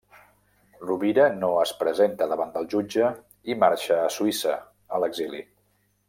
Rovira, no es presenta davant del jutge i marxa a Suïssa, a l'exili.